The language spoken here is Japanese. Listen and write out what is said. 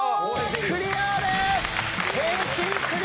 クリアです！